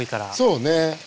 そうね。